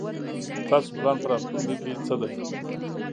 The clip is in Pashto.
تاسو پلان په راتلوونکي کې څه دی ؟